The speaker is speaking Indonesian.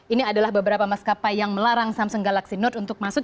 ini adalah beberapa maskapai yang melarang samsung galaxy note untuk masuk